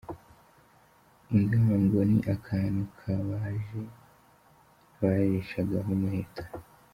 Ingango: Ni akantu kabaje bajishagaho umuheto.